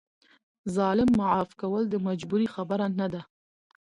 ظالم معاف کول د مجبورۍ خبره نه ده.